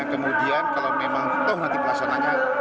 kemudian kalau memang tuh nanti pelasonanya